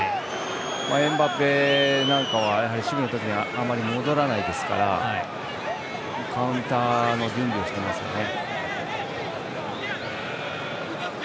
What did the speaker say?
エムバペなんかは守備のときはあまり戻らないですからカウンターの準備をしていますね。